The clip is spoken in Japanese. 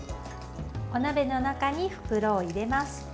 お鍋の中に袋を入れます。